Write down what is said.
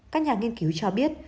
các nhà nghiên cứu cho biết